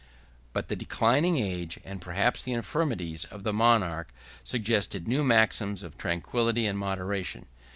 But the declining age, and perhaps the infirmities, of the monarch suggested new maxims of tranquillity and moderation.